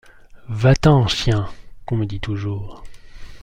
Va-t’en, chien ! qu’on me dit toujours.